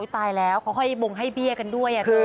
ตายแล้วค่อยบงให้เบี้ยกันด้วย